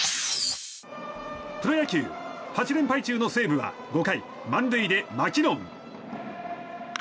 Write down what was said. プロ野球８連敗中の西武は５回、満塁でマキノン。